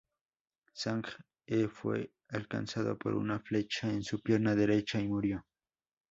Zhang He fue alcanzado por una flecha en su pierna derecha y murió.